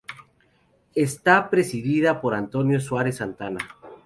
Está presidida por Antonio Suárez Santana.